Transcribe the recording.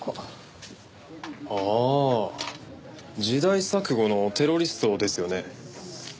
時代錯誤のテロリストですよね。